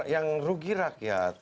yang rugi rakyat